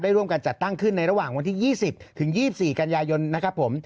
ร่วมกันจัดตั้งขึ้นในระหว่างวันที่๒๐ถึง๒๔กันยายนนะครับผม